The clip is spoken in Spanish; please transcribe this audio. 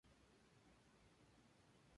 Su capital es la ciudad de Sokolov.